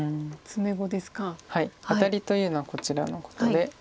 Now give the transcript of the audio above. はいアタリというのはこちらのことで。